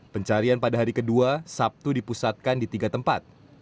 pencarian pada hari kedua sabtu dipusatkan di tiga tempat